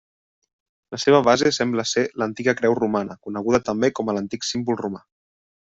La seva base sembla ser l'antiga Creu Romana coneguda també com l'Antic Símbol Romà.